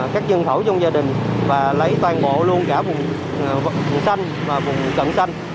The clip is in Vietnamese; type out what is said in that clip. các dân thổ trong gia đình và lấy toàn bộ luôn cả vùng xanh và vùng cận xanh